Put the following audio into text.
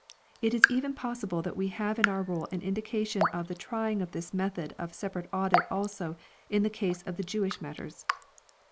It is even possible that we have in our roll an indication of the trying of this method of separate audit also in the case of the Jewish matters.